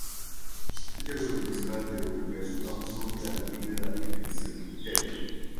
Ella lo demuestra al devolver a un hombre a la vida en el cementerio.